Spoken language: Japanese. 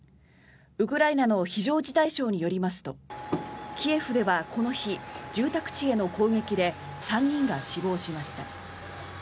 ウクライナの非常事態省によりますとキエフではこの日住宅地への攻撃で３人が死亡しました。